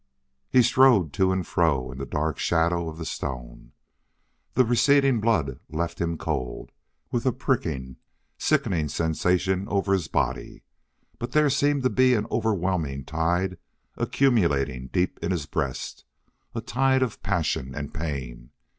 He strode to and fro in the dark shadow of the stone. The receding blood left him cold, with a pricking, sickening sensation over his body, but there seemed to be an overwhelming tide accumulating deep in his breast a tide of passion and pain.